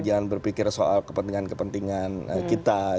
jangan berpikir soal kepentingan kepentingan kita